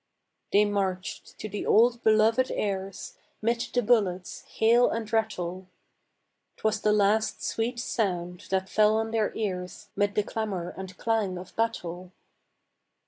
They marched to the old belovèd airs 'Mid the bullets' hail and rattle; 'Twas the last sweet sound that fell on their ears 'Mid the clamor and clang of battle.